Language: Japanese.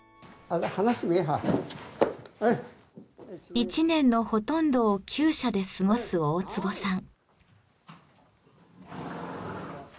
１年のほとんどをきゅう舎で過ごす大坪さん。